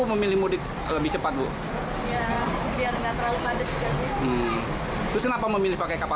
memilih mudik lebih cepat bu biar enggak terlalu pada juga sih terus kenapa memilih pakai kapal